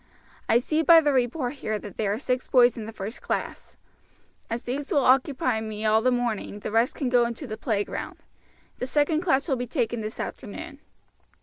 I see by the report here that there are six boys in the first class. As these will occupy me all the morning the rest can go into the playground. The second class will be taken this afternoon."